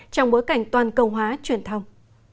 trong bối cảnh toàn công hóa truyền thông